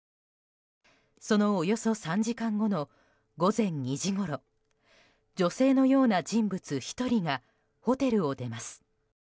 そのおよそ３時間後の午前２時ごろ女性のような人物１人がホテルを出ます。